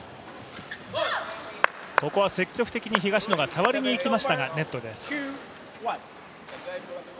ここは積極的に東野が触りにいきましたがネットです。